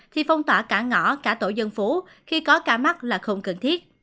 thì phong tỏa cả ngõ cả tổ dân phố khi có cả mắt là không cần thiết